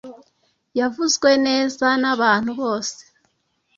Yavuzwe neza nabantu bose.